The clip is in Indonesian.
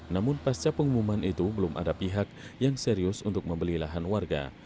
namun pasca pengumuman itu belum ada pihak yang serius untuk membeli lahan warga